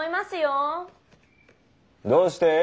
どうして。